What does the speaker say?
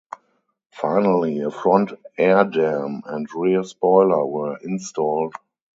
Finally, a front air dam and rear spoiler were installed.